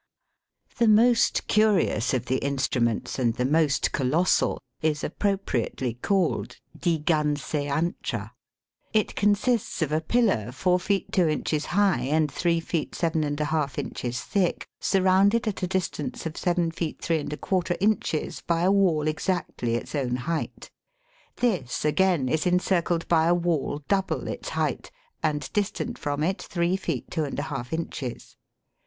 The most curious of the instruments, and the most colossal, is appropriately called Digan sayantra. It consists of a pillar 4 feet 2 inches high and 3 feet 7^ inches thick, surrounded at a distance of 7 feet 3 J inches by a wall exactly its own height. This, again, is encircled by a wall double its height, and distant from it 3 feet 2^ inches.